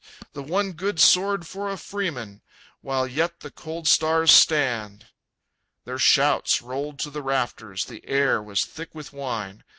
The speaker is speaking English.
The one good sword for a freeman, While yet the cold stars stand!" Their shouts rolled to the rafters, The air was thick with wine.